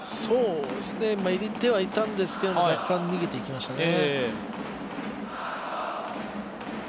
入れてはいたんですけども、若干逃げていきましたね。